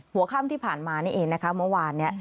หัวค่ำที่ผ่านมานี่เองนะคะเมื่อวานเนี่ย